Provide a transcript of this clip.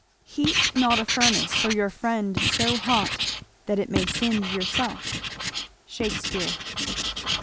Heat not a furnace for your friend so hot That it may singe yourself. Shakspeare.